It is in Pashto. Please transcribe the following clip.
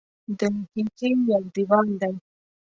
د ښیښې یو دېوال دی.